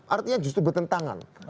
artinya justru bertentangan